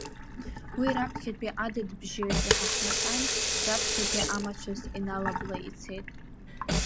Уи раԥхьатәи адыдбжьы иҳахнаҟьан, раԥхьатәи амацәыс иналаблы ицеит.